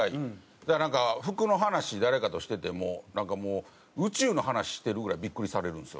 だからなんか服の話誰かとしててもなんかもう宇宙の話をしてるぐらいビックリされるんですよ。